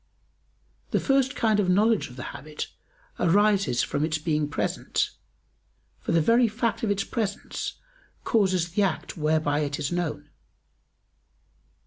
The first kind of knowledge of the habit arises from its being present, for the very fact of its presence causes the act whereby it is known.